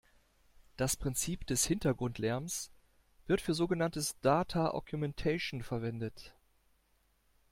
Das Prinzip des Hintergrundlärms wird für sogenanntes "Data Augmentation" verwendet.